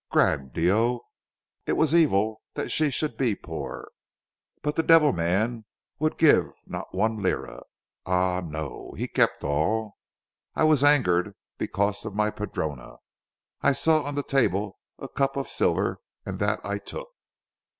Gran' Dio. It was evil that she should be poor. But the devil man would give not one lira. Ah no! He kept all. I was angered, because of my padrona. I saw on the table a cup of silver, and that I took."